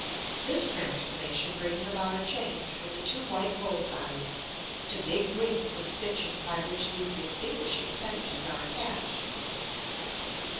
This transformation brings about a change from the two white bull's eyes, to big rings of stitching by which these distinguishing appendages are attached.